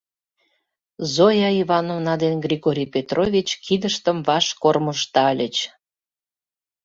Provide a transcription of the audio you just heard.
Зоя Ивановна ден Григорий Петрович кидыштым ваш кормыжтальыч.